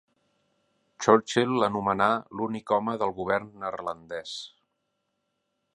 Churchill l'anomenà "l'únic home del govern neerlandès".